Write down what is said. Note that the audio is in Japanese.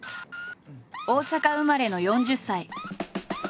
大阪生まれの４０歳。